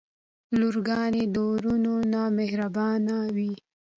لورګانې د وروڼه نه مهربانې وی.